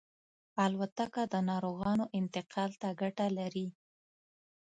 الوتکه د ناروغانو انتقال ته ګټه لري.